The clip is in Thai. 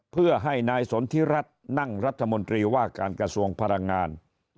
เพื่อให้นายสนทิรัฐนั่งรัฐมนตรีว่าการกระทรวงพลังงาน